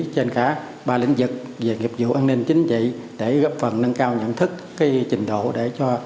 trên cả ba lĩnh vực việc ngực dụng nên chính trị để góp phần nâng cao nhận thức thì trình độ để cho